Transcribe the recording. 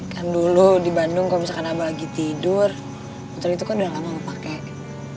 kan dulu di bandung kalo misalkan abah lagi tidur motor itu kan udah lama aku pakai